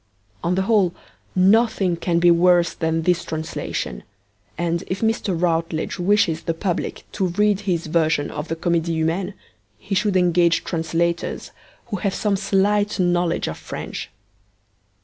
On the whole, nothing can be worse than this translation, and if Mr. Routledge wishes the public to read his version of the Comedie Humaine, he should engage translators who have some slight knowledge of French.